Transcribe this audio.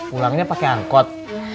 pulangnya pake angkot